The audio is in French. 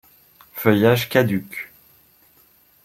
Feuillage caduc.